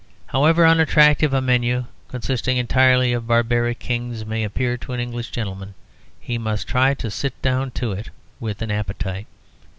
However unattractive a menu consisting entirely of barbaric kings may appear to an English gentleman, he must try to sit down to it with an appetite.